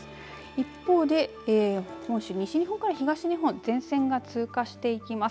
一方で本州、西日本から東日本前線が通過していきます。